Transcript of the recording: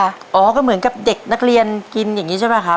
อ๋อก็เหมือนกับเด็กนักเรียนกินอย่างนี้ใช่ป่ะครับ